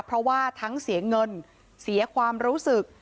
เพราะว่าทั้งเสียเงินเสียความรู้สึก